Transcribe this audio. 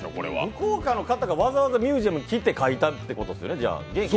福岡の方がわざわざミュージアムに来て書いたということですよね。